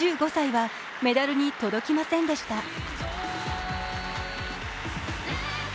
１５歳はメダルに届きませんでした。